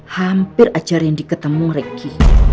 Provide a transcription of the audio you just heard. hampir aja randy ketemu ricky